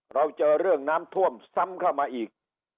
เราเจอเรื่องน้ำท่วมซ้ำเข้ามาอีก